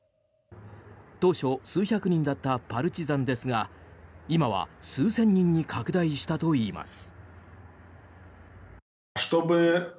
当初、数百人だったパルチザンですが今は数千人に拡大したといいます。